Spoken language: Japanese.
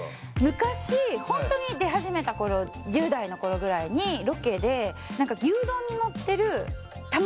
昔本当に出始めた頃１０代の頃ぐらいにロケで何か牛丼に載ってる卵あるじゃないですか。